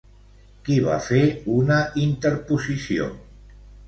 Qui va fer una interposició?